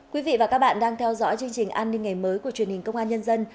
quý vị và các bạn đang theo dõi chương trình an ninh ngày mới của truyền hình công an nhân dân